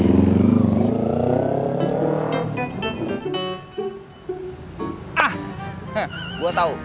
ah gue tau